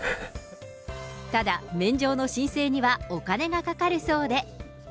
ただ、免状の申請にはお金がかかるそうで。